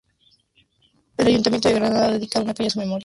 El Ayuntamiento de Granada ha dedicado una calle a su memoria.